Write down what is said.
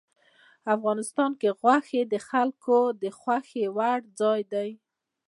افغانستان کې غوښې د خلکو د خوښې وړ ځای دی.